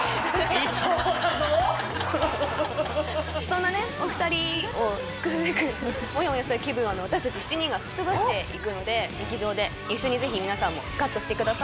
そんなねお二人を救うべくモヤモヤした気分を私たち７人が吹き飛ばしていくので劇場で一緒にぜひ皆さんもスカッとしてください。